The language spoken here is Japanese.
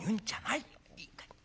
いいかい？